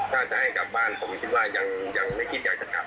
การให้กลับบ้านผมยังไม่คิดอยากจะกลับนะครับ